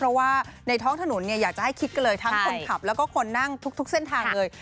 เพราะว่าในท้องถนนเนี่ยอยากจะให้คิดกันเลยทั้งคนขับแล้วก็คนนั่งทุกเส้นทางเลย